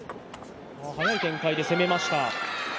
早い展開で攻めました。